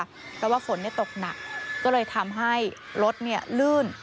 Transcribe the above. เพราะว่าฝนตกหนักก็เลยทำให้รถลื่น